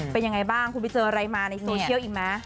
เป็นยังไงบ้างคุณไปเจออะไรมาในโซเชียลอีกไหม